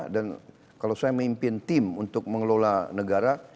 dan kalau saya memimpin tim untuk mengelola negara